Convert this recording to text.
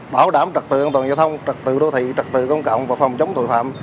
bảo đảm trật tự an toàn giao thông trật tự đô thị trật tự công cộng và phòng chống tội phạm